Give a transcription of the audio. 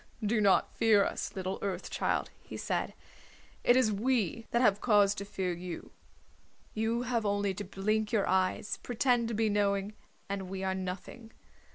"Do not fear us, little Earth Child," he said. "It is we that have cause to fear you. You have only to blink your eyes, pretend to be knowing, and we are nothing.